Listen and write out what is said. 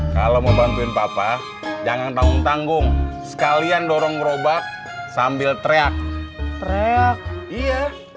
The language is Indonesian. kalau mau bantuin papa jangan tanggung tanggung sekalian dorong gerobak sambil teriak teriak iya